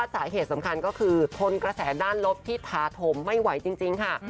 สาเหตุสำคัญก็คือทนกระแสด้านลบที่ท้าถมไม่ไหวจริงค่ะ